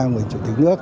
một chủ tịch nước